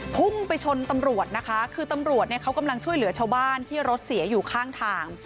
พุ่งไปชนตำรวจนะคะคือตำรวจเนี่ยเขากำลังช่วยเหลือชาวบ้านที่รถเสียอยู่ข้างทาง